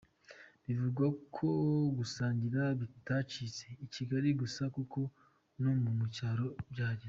Bivugwa ko gusangira bitacitse i Kigali gusa kuko no mu cyaro byahageze.